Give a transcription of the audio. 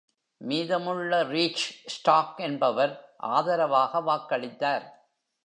மீதமுள்ள ரீச்ஸ்டாக் என்பவர் ஆதரவாக வாக்களித்தார்.